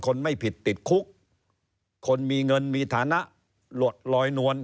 คนไม่ผิดติดคุกคนมีเงินมีฐานะหลดลอยนวล